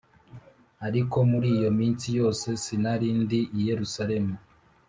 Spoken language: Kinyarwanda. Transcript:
Ariko muri iyo minsi yose sinari ndi i yerusalemu